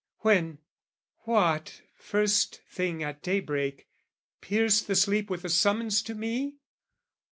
When, what, first thing at daybreak, pierced the sleep With a summons to me?